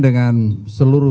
semangat intensif politik